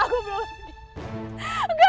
aku belum bisa sehat